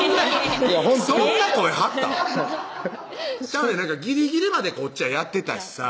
ちゃうねんギリギリまでこっちはやってたしさ